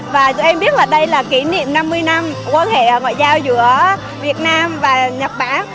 và tụi em biết là đây là kỷ niệm năm mươi năm quan hệ ngoại giao giữa việt nam và nhật bản